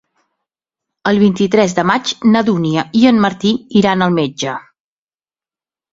El vint-i-tres de maig na Dúnia i en Martí iran al metge.